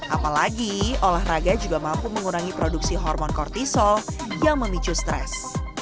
apalagi olahraga juga mampu mengurangi produksi hormon kortisol yang memicu stres